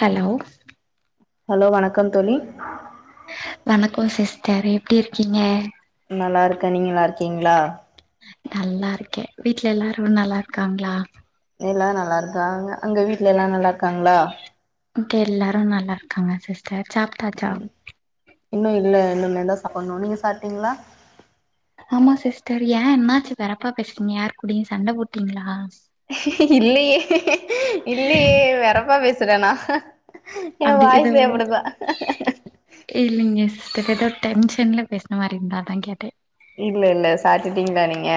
hello hello வணக்கம் தோழி வணக்கம் சிஸ்டர் எப்டி இருக்கிங்க நல்லா இருக்கே நீங்க லா இருக்கீங்களா நல்லா இருக்கே வீட்ல எல்லாரு நல்லா இருக்காங்களா எல்லா நல்லா இருக்காங்க அங்க வீட்ல எல்லா நல்லா இருக்காங்களா இங்க எல்லாரு நல்லா இருக்காங்க சிஸ்டர் சாப்டாச்சா இன்னும் இல்ல இன்னுமேதா சாப்புட்னு நீங்க சாப்டீங்ளா ஆமா சிஸ்டர் ஏயா என்னாச்சி வெறப்பா பேசுறீங்க யார் கூடயு சண்ட போட்டீங்களா இல்லையே இல்லையே வெறப்பா பேசுறேனா எயா அப்டி எதோ வாய்சே அப்டிதா கிட்டத்தட்ட டென்ஷன்ல பேசுன மாரி இருந்து அதா கேட்டே இல்ல இல்ல சாப்டுடிங்களா நீங்க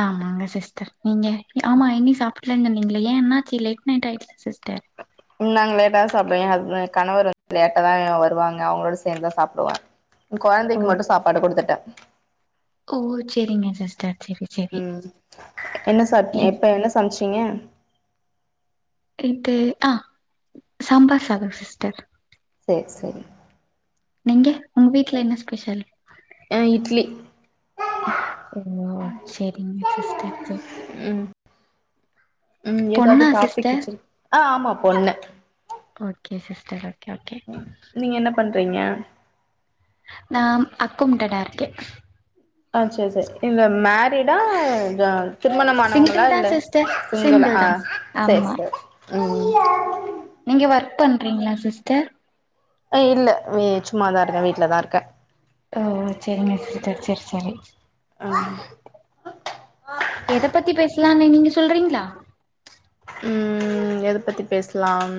ஆமாங்க சிஸ்டர் நீங்க ஆமா இனி சாப்பிட்லன்னு சொன்னிங்களே ஏன் என்னாச்சி லேட் நைட் ஆயிடுச்சு சிஸ் நாங்க லேட்டா தா சாப்புவோ எங் ஹஸ்பெண்ட் கணவர் வந்து லேட்ட தாங்க வருவாங்க அவங்களோட சேந்துந்தா சாப்டுவே ஓ கொழந்தைக்கு மட்டு சாப்பாடு குடுத்துட்டே ஓ செரிங்க சிஸ்டர் செரி செரி ம் என்ன சாப் இப்ப என்ன சமைச்சீங்க நைட்டு அ சம்பார் சாதோ சிஸ்டர் சேர் சேரி நீங்க உங்க வீட்டுல என்ன ஸ்பெஷல் அ இட்லி ஓ சேரிங்க சிஸ்டர் சேர் ம் ம் ஏதாவது பொண்ணா டாபிக் சிஸ்டர் வச்சிரு ஆ ஆமா பொண்ணு ஓகே சிஸ் சேரி ஓகே ஓகே பையங்க நாம் அக்கவுண்டடா இருக்கே பேடா ஜா திருமணம் சிங்கிள் ஆனவங்களா தா இல்ல சிஸ்டர் சிங்கல சிங்கிள் அ தா சேரி ஆமா சேரி ம் நீங்க ஒர்க் பண்றீங்களா சிஸ்டர் ஏய் இல்ல சும்மாதா இருக்கே வீட்டு்லதா இருக்கே ஓ செரி சிஸ்டர் செரி செரி எத பத்தி பேச சலான்னு நீங்க சொல்றீங்களா ம் எத பத்தி பேசலாம்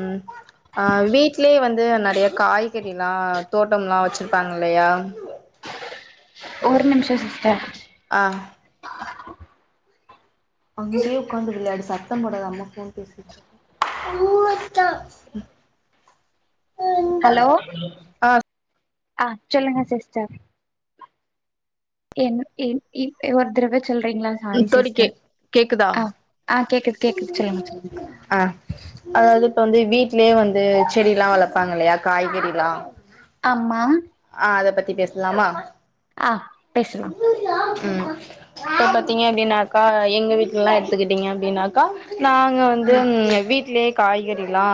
அ வீட்லலேயே வந்து நெறைய காய் காய்கறிலா தோட்டம்லாம் வெச்சிருப்பாங்க இல்லையா ஒரு நிமிஷோ சிஸ்டர் அ அங்கே ஒட்காந்து விளையாடு சத்தம் போடாத அம்மா ஃபோன் பேசிட்டு இருக்கே மூவட்ட ஹலோ ஆ அ சொல்லுங்க சிஸ்டர் ஏன் ஏன் இ ஒர் தரவே சொல்றீங்களா சாரி தோழி கே சிஸ்டர் கேக்குதா அ அ கேக்குது கேக்குது சொல்லுங்க சொல்லுங்க ஆ அதாவது இப்ப வந்து வீட்டுலயே வந்து செடிலா வளப்பாங்க இல்லையா காய்கறிலா ஆமா ஆ அத பத்தி பேசலாமா அ பேசலா ம் இப்ப பாத்திங்க அப்டின்னாக்கா எங்க வீட்டுலல்லா எடுத்துக்கிட்டீங்க அப்டின்னாக்கா நாங்க வந்து ம் வீட்லயே காய்கறிலா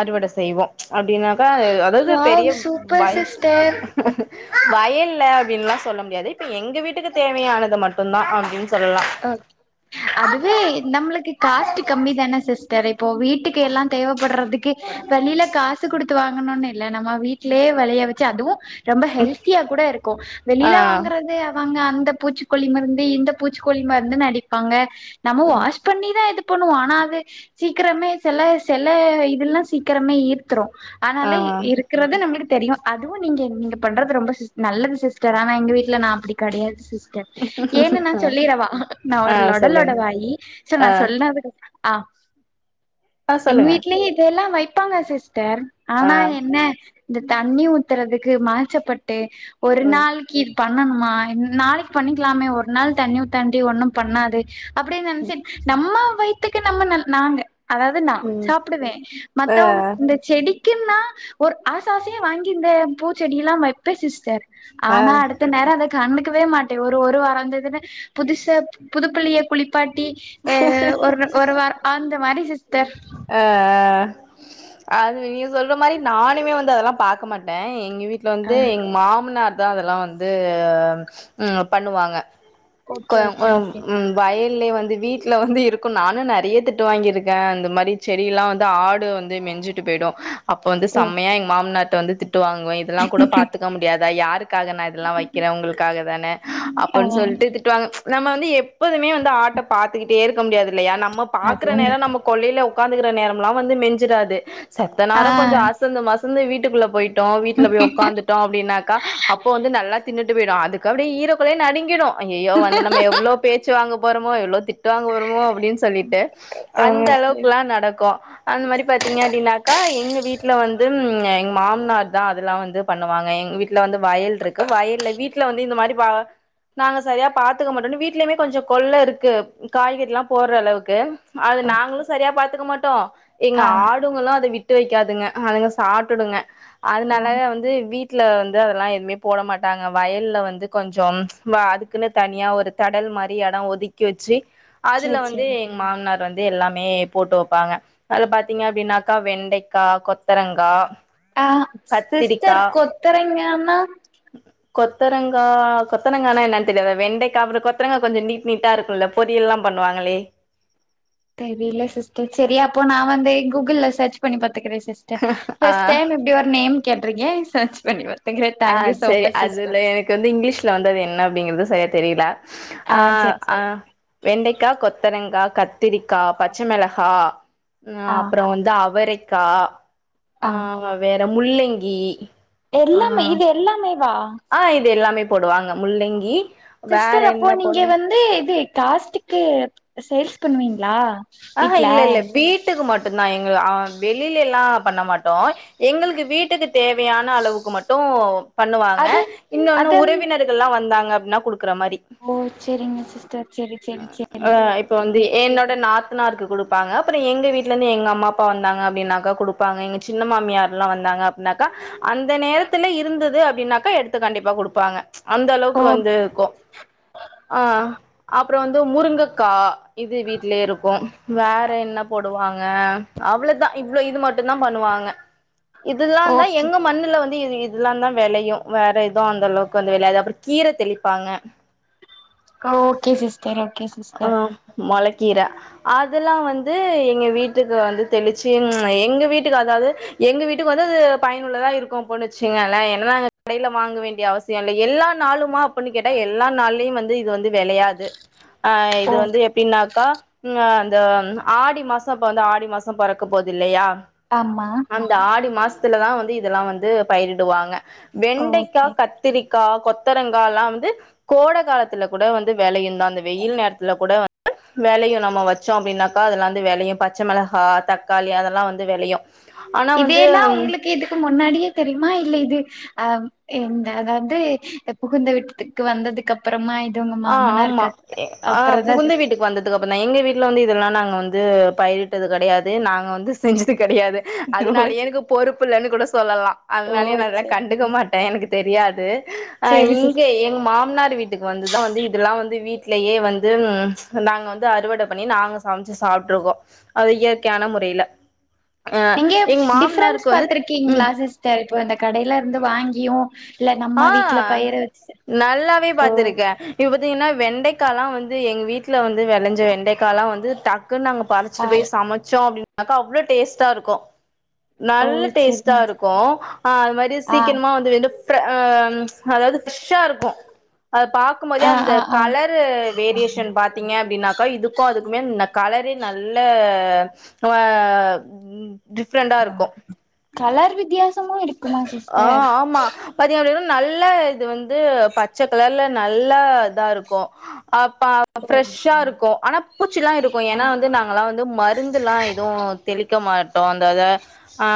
அறுவடை செய்வோ அப்டின்னாக்கா அதாவது பெரிய வாவ் சூப்பர் வய சிஸ்டர் வய வயல்ல அப்டின்லா சொல்ல முடியாது இப்ப எங்க வீட்டுக்கு தேவையானது மட்டும் தா ஒகே அதுவே நம்மளுக்கு காஸ்ட் கம்மி தானே சிஸ்டர் இப்போ வீட்டுக்கு எல்லாம் தேவைப்பட்றதுக்கே வெளில காசு குடுத்து வாங்கணுன்னு இல்ல நம்ம வீட்லயே வெளைய வெச்சி அதுவு ரொம்ப ஹெல்த்தியா கூட இருக்கு ஆ வெளில வாங்கறதே அவங்க அந்த பூச்சிக்கொல்லி மருந்து இந்த பூச் பூச்சிக்கொல்லி மருந்துனு அடிப்பாங்க நம்ம வாஷ் பண்ணிதா இதுப் பண்ணுவோ ஆனா அது சீக்குரமே செல செல இதுல்லா சீக்கரமே ஈர்த்துறு ஆனால ஆ இருக்கறது நம்ளுக் தெரியு அதுவு நீங்க நீங்க பண்றது ரொம்ப சிஸ் நல்லது சிஸ்டர் ஆனா எங்க வீட்டுல நா அப்டி கெடையாது சிஸ் ஸ்டர் ஏன்னு நா ஆ சொல்லிரவா நா ஆ ஒரு சொல்லுங்க லொடலொட வாயி சோ நா ஆ சொல்னதுக் ஆ ஆ எங்க சொல்லுங்க வீட்லயு இதெல்லா வைப்பாங்க சிஸ் டர் ஆ ஆனா என்ன இந்த தண்ணி ஊத்துறதுக்கு மாச்சப்பட் ட்டு ஒரு ம் நாளைக்கி இது பண்ணணுமா இன் நாளைக்கி பண்ணிக்கலாமே ஒரு நாள் தண்ணி ஊத்தாண்டி ஒண்ணும் பண்ணாது அப்டின்னு நெனச்சுட் நம்ம வயித்துக்கு நம்ம நல் நாங்க அதாவது நா ம் சாப்டுவே ஆ மத்தவங் இந்த செடிக் கின்னா ஒரு ஆச ஆசயா வாங்கி இந்த பூச்செடியில்லா வப்பே சிஸ்டர் ஆ ஆனா அடுத்த நேரோ அத கண்டுக்கவே மாட்டே ஒரு ஒரு வாரந்ததுன்னா புதுசா புதுப்புள்ளிய குளிப்பாட்டி ஏ ஒரு ஒருவாரோ அந்த மாரி சிஸ்டர் அ அது நீங்க சொல்ற மாரி நானுமே வந்து அதெல்லா பாக்க மாட்டே எங்க வீட்டுல ஆ வந்து எங்க மாமனார் தா அதல்லா வந்து ம் பண்ணுவாங்க ஓகே கொயம் ஓகே கொயம் ஓகே ம் வாயி கீழயு வந்து வீட்டுல வந்து இருக்கூ நானு நெறைய திட்டு வாங்கி இருக்கே அந்த மாரி செடியெல்லா வந்து ஆடு வந்து மெஞ்சிட்டு போயிடு அப்ப வந்து ஓ செம்மையா எங்க மாமனார்ட்ட வந்து திட்டு ட்டு வாங்குவே இதெல்லா கூட பாத்துக்க முடியாதா யார் க்காக நா இதெல்லா வைக்கிறே உங்களுக்காக தானே ஆ, அப்டின்னு சொல்ட்டு திட்டுவாங்க நம்ம வந்து எப்போதுமே வந்து ஆட்ட பாத்துக்கிட்டே இருக்க முடியாது இல்லையா நம்ம அது பாக்குற உங்க நேரோ நம்ம கொள்ளையில உக்காந்துக்குற நேரமுல்லா வந்து மெஞ்சுடாது சத்த ஆ நேரோ கொஞ்ச அசந்தும் மசந்து வீட்டுக்குள்ள பொயிட் ட்டே வீட்டுல போய் உக்காந்துட்டோ அப்டின்னாக்கா அப்போ வந்து நல்லா தின்னுட்டு போயிடு அதுக்கு அப்டியே ஈர கொலையே நடுங்கிடு ஐய்யய்யோ வந்து நம் எவ்ளோ பேச்சு வாங்க போறமோ எவ்ளோ திட் திட்டு வாங்க போறமோ அப்டின்னு சொல்லிட்டு அந்த ஓகே அளவுக்கு ல்லா நடக்கு அந்த மாரி பாத்தீங்க அப்டின்னாக்கா எங்க வீட்டுல வந்து ந்து எங்க மாமனார் தா அதெல்லா வந்து பண்ணுவாங்க எங்க வீட் ல்ல வந்து வயல் இருக்கு வயல்ல வீட்டுல வந்து இந்த மாரி பா நாங்க சரியா பாத்துக்க மாட்டோன்னு வீட்லயுமே கொஞ்சோ கொள்ள இருக்கு காய்கறி எல்லா போட்ற அளவுக்கு அது ஓகே நாங்களு சரியா பாத்துக்க மாட்டோ எங்க ஆ ஆடுங்களு அத விட் விட்டு வக்காதுங்க அதுங்க சாப்டுங்க ஓ அதுனால வந்து வீட் வீட்ல வந்து அதெல்லா எதுவுமே போட மாட்டாங்க வயல்ல வந்து கொஞ்சோம் வா அதுக்குன்னு தனியா ஒரு தடல் மாரி எடோ ஒதுக்கி வச்சு அதுல சேரி வந்து சேரி எங்க மாமனார் வந்து எல்லாமே போட்டு வப்பாங்க அதுல பாத்தீங்க அப்டின்னாக்கா வெண்டைக்கா கொத்தரங்கா ஆ சிஸ்டர் கத்திரிக்கா கொத்தரங்கான்னா கொத்தரங்கா கொத்தரங்கான்னா என்னன்னு தெரியாதா வெண்டேக்கா அப்பறோ கொத்தரங்கா கொஞ்ச நீ்ட் நீட்டா இருக்குல்ல பொரியல்லா பண் ண்ணுவாங்களே தெரியில சிஸ்டர் செரி அப்போ நா வந்து கூகுள்ல செர்ச் பண்ணி பாத் துக்குறே சிஸ்டர் ஆ ஃபர்ஸ்ட் டைம் இப்டி ஒரு நேம் கேட்ருக்கே செர்ச் பண்ணி பாத் ஆ செரி அதுல எனக்கு வந்து இங்கிலீஷ்ல வந்து அது என்ன அப்டிங்கிறது சரியா தெரியல ஆ சேரி ஆ சேரி வெண்டைக்கா கொத்தரங்கா கத் த்திரிக்கா பச்சமெளகா ஆ அப்பறோ வந்து அவரைக்கா ஆ ஆ வேற முள்ளங்கி ஆ எல்லாமே இது எல்லாமேவா ஆ இது எல்லாமே போடுவாங்க முள்ளங்கி வேற சிஸ்டர் அப்போ என்ன நீங்க போடுவோ வந்து இது காஸ்ட்டுக்கே சேல்ஸ் பண்ணுவீங்ளா ஆ ஹா இல்ல இல்ல வீட்டுக்கு மட்டுந்தா எங் ம் அ வெளியிலெல்லா பண்ண மாட்டோ எங்களுக்கு வீட்டுக்குத் தேவையான அளவுக்கு மட்டு பண்ணுவாங்க அது இன்னொன்னு அதன் உறவினர்கள்லா வந்தாங்க அப்டின்னா குடுப் ஓ செரிங்க சிஸ்டர் செரி செரி ஆ செரி இப்ப வந்து என்னோட நாத் துனாருக்கு குடுப்பாங்க அப்பற எங்க வீட்லேந்து எங்க அம்மா அப்பா வந்தாங்க அப்டின்னாக்க குடுப்பாங்க எங்க சின்ன மாமியார்லா வந்தா அங்க அப்புன்னாக்கா அந்த நேரத்துல இருந்தது அப்டின்னாக்க எடுத்து கண்டிப்பா குடுப்பாங்க ஓ அந்தளவுக் வந்து ர்க்கும் ஆ அப்ரொ வந்து முருங்கக்கா இது வீட்லேரு வேற என்ன போடுவாங்க அவ்ளதா இவ்ளோ இது மட்டுந்தா பண்ணுவாங்க இதுலாந்தா ஓகே எங்க மண்ணுல வந் திஇது இதுலாந்தா வெளையு வேற எதும் அந்த அளவுக்கு வந்து வெள்யாது அப்ற கீர தெளிப்பாங்க கஓகே சிஸ்டர் ஓகே சிஸ்டர் கீர அதுல்லா வந்து எங்கெ வீட்டுக்கு வந்து தெளுச்சி ம் எங்க வீட்டுக் அதாது எங்க வீட்டுக் வந்து அது பயனுள்ளதா இருக்கு பொண்ணுச்சீங்க அல்ல என்னங்க [inaudible] டைல வாங்க வேண்ட்ய அவசியொல்ல எல்லான் நாளுமா அப்புன்னு கேட்டா எல்லா நாள்லியு வந்து இது வந்து வெளயாது அ இது ஓ வந்து எப்பின்னாக் கா [unintelligible] ஆடி மாச இப்ப வந்து ஆடி மாசம் பொறக்க போத் இல்லையா ஆமா அந்த ஆடி மாஸ்த்துலதா வந்து இதல்லா வந்து பயிரிடுவாங்க வெண்டைக்கா ஓகே கத்திரிக்கா கொத் த்தரங்கால்லாவ்ந்து கோட காலத்துல கூட வந்து வெளயுந்தா அந்த வெய்யில் நேர்த்துல கூட வ [inaudible] மெளயு நம்ம வச்சோ அப்டின்னாக்கா அதலாந்து வெளயு பச்ச மெலகா தக்காளி அதல்லா வந்து வெளயு இதேல்லா உங்ளுக்கு இதுக்கு முன்னாடியே தெரிய்மா இல்ல இது அவ் இந்த அதாவ்து புகுந்த வீட்த்துக்கு வந்ததுக்கு அப்புறமா இத் ஆ ஆமா அ புகுந்த வீட்டுக் வந்ததுக்கு அப்பந்தா எங்கெ வீட் கில்ல வந்து இதல்லா நாங்க வந்து பயிரிட்டது கடயாது நாங்க வந்து செஞ்சுது கடுயாது தெரியு அதுனால்யே எனுக்கு பொறுப்புல்லன்னு கூட சொல்லலா ஓ அதுனாலே நா இத்லா செரிங்க கண்டுக மாட்ட எனக்கு தெர்யாது அ செரி இங்க சிஸ்டர் எங் மாம்னார் வீட்டுக்கு வந்து இதுலா வந்து வீட்லயே வந்து நாங்க வந்து அறுவட பண்ணி நாங்க சமச்சு சாப்ட்ருக்கோ அ இயற்க்யான முறைல நிங்கேவ் டிஃப்ரென்ஸ் வந்து ம் பாத்ருக்கீங்ளா சிஸ்டர் இப்போ இந்தக் கடைலர்ந்து வாங்கியு இல்ல ஆ நம்ம வீட்ல பயிர வச்சு நல்லாவே ஓ பாத்துருக்க யுவத் திங்னா வெண்டைக்காலா வந்து எங் வீட்ல வந்து வெளஞ்ச வெண்டைக்காலா வந்து டாக் கு நாங்க ஆ பறச்சிட்டு பெய் சமச்சோ அப்டின் அக்கா அவ்ளோ டேஸ்ட்டாருக்கு ஓ நல்ல டேஸ்ட்டா செரிங்க இருக்கு அ அது மாரி ஆ சீக்கன்மா வந்து வென்டு ப்ர அ அதாவ்து ஃப்ருஷ்ஷா இருக்கு அத பாக்குமோதே ஆ அந்த ஆ ஆ கலரு வேரியேஷன் பாத்தீங்க அப்டின்னக்கா இதுக்கு அதுக் மின்ன கலரே நல்ல டிஃப்ரெண்டா இருக்கு கலர் வித்யாசமு இருக் ஆ ஆமா பத்திய [unintelligible] நல்ல இது வந்து பச்ச கலர்ல நல் ல தா இருக்கு அ ப ஃப்ரெஷ்ஷா இருக்கு அனா பூச்சிலா இருக்கு ஏனா வந்து நாங்கலா வந்து மருந்துலா எது தெளிக்க மாட் டோ அந் அத அ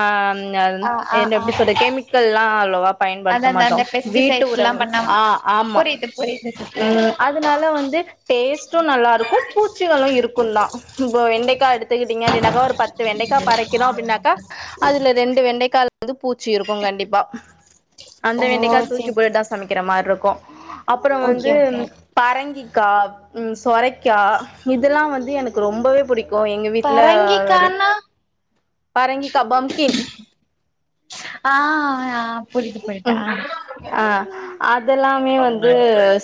ஆ ஆ [unintelligible] என்ன ஆ எப்டி சொடேக் கெமிக்கல்லா அவ்ளவா அத பயன்பட்த்த அந்த மாட்டோ அந்த வீட்டு பெஸ்டிசைட்ஸ்லா உரங்க பண்ணாம ஆ ஆமா புரியுது புரியுது சிஸ்டர் ம் அதுனால வந்து டேஸ்ட்டு நல்லாருக்கு பூச்சிகளு இருக்குந்தா போ வெ எண்டைக்கா எடுத்துக்குட்டிங்க அப்டின்னாக் ஒரு பத்து வெண்டைக்கா பறக்கிணு அப்பின்னாக்கா அதுல ரெண்டு வெண்டைக்கால [inaudible] பூ சீருக்குங் கண்டிப்பா அந்த ஓ வெண்டைக்கா தூக்கி செரி போட்டுட் தா சமக்கிற மார்ருக்கு அப்புற ஓகே வந்து ஓகே பரங்கிக்கா ம் சொரைக்கா இதுலா வந்து எனக்கு ரொம்பவே புடிக் கொ எங்க வீட்ல வெளி பரங்கிக்கானா பரங்கிக்கா பம்கின் ஆ யா அ அதலாமே வந்து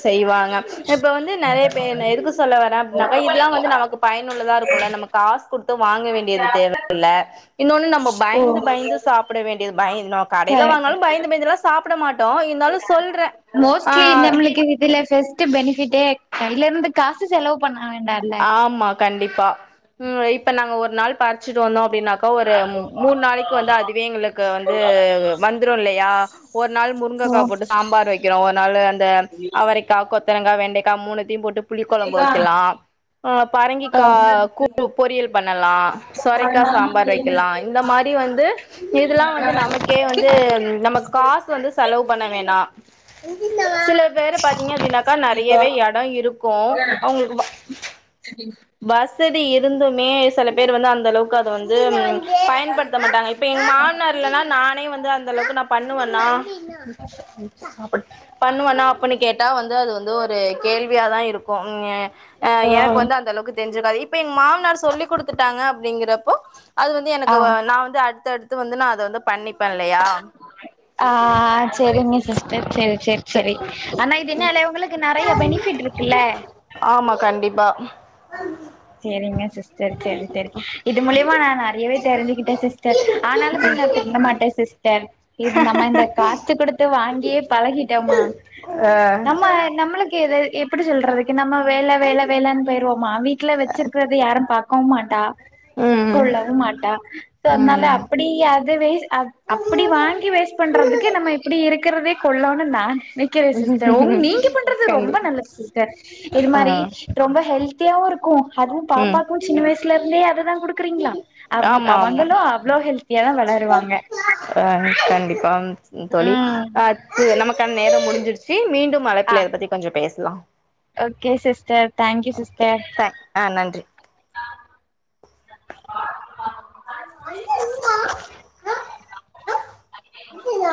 செய்வாங்க எப்ப வந் வந்து நெறைய பேர் நா எதுக்கு சொல்ல வரேஅப்டின்னாக்கா இதுல்லா வந்து நமக்கு பயனுள்ளதா இருக்குல்ல நமக்கு காஸ் குடுத் து வாங்க வேண்டியது தேவையில்ல இன்னொன்னு நம்ம ஓ பயந்து பயந்து சாப்புட வேண்டியது பயந் நம்ம க கடையில வாங்குனாலு பயந்து பயந்துல்லா சாப்புட மாட்டோ இருந்தாலு சொல்ற ஆ தத்து பெனிஃபிட்டே கையிலருந்து காசு செலவு பண்ண வேண்டால்ல ஆமா கண்டிப்பா ம் இப்ப நாங்க ஒரு நாள் பறிச்சுட்டு வந்தோ அப்டின்னாக்கா ஒரு மூ மூணு நாளைக்கு வந்து அதுவே எங்களுக்கு வந்து வந்துரு இல்லையா ஒரு நாள் ஆ முருங்கக்கா போட்டு சாம்பார் வக்கிறோ ஒரு நாள் அந்த அவரைக்கா கொத் த்தரங்கா வெண்டக்கா மூணுத்தையும் போட்டு புளிக்கொழம்பு வக்கலா ஆ ஆ பரங்கிக்கா கூட்டு பொரியல் பண்ணலா சொரக்கா சாம்பார் வக்கலா இந்த மாரி வந்து இதெல்லா வந்து நமக்கே வந்து நமக்கு காஸ் வந்து செலவு பண்ண வேனா சில பேரு பாத்தீங்க அப்டினாக்கா நெறையவே எடம் இருக்கு அவுங்களுக்கு சரி செதி இருந்துமே சில பேர் வந்து அந்தளவுக் கு அது வந்து பயன்படுத்த மாட்டாங்க இப்ப எங்க மாமனர் இல்லனா நானே வந்து அந்தளவுக்கு நா‌ பண்ணுவேனா சாப்புடு பண்ணுவேன்னா அப்பின்னு கேட்டா வந்து அது வந்து இதோ ஒரு கேள்வியாதா இருக்கு ஆ எனக்கு வந்து அந்தளவுக்கு தெரிஞ் ருக்காது இப்ப எங்க மாமனார் சொல்லி கொடுத்துட்டாங்க அப்டிங்கிறப்போ அது வந்து எனக்கு வ நா வந்து அடுத் எடுத்து வந்து நா அத வந்து பண்ணி ஆ செரிங்க சிஸ்டர் செர் செரி ச செரி ஆனா இது என்னால உங்களுக்கு நெறைய பெனிஃபிட் இருக்குல்ல ம் செரிங்க சிஸ்டர் செரி செரி இது மூலியமா நா நெறையவே தெரிஞ்சுக்கிட்ட சிஸ்டர் ஆனாலுமே நா திருந்தமாட்ட சிஸ்டர் இது நம்ம இந்த காஸ்ட்டு கொடுத்து வாங்கியே பழகிட்டோமா நம்ம நம்மளுக்கு இது எப்டி சொல்றது இது நம்ம வேல வேல வேலன்னு போயிருவோமா வீட்ல வச்சிருக்கறது யாரு பாக்கவும் மாட்டா ம் கொள்ளவும் மாட்டா சோ அதனால ம் அப்டி அது வேல்ஸ் அப் அப்டி வாங்கி வேஸ்ட் பண்றதுக்கு நம்ம இப்டி இருக்கிறதே கொள்ளோன்னு நான் நெனைக்கிற சிஸ்டர் உங் நீங்க பண்றது ரொம்ப கண்டி நல்லது சிஸ்டர் இது மாரி ஆ ரொம்ப ஹெல்த் க்கு அதுவு ம் பாப்பாக்கும் சின்ன வயசுலேருந்தே அதுதா குடுக்குறீங்களா அவ ஆமா ஆமா அவங்களும் அவ்ளோ ஹெல் ஆ கண்டிப்பாங் தோழி ம் ஆ அத்தது நமக் கான நேரம் முடிஞ்சிருச்சு மீண்டும் ஆ அழைப்புல இத பத்தி கொஞ்ச பேசலா okay sister thank you okay sister thank ஆ நன்றி மா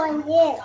வண்டியன்